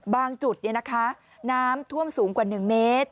บางจุดนี้นะคะน้ำท่วมสูงกว่า๑เมตร